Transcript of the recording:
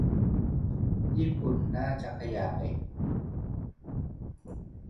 ญี่ปุ่น น่าจะขยาย